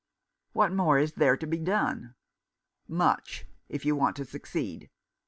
" What more is there to be done ?"" Much, if you want to succeed.